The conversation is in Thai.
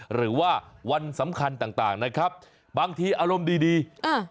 หรือว่าวันสำคัญต่างต่างนะครับบางทีอารมณ์ดีดีอ่า